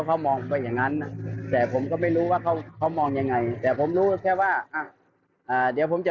เขามองไปอย่างนั้นนะแต่ผมก็ไม่รู้ว่าเขามองยังไงแต่ผมรู้แค่ว่าเดี๋ยวผมจะ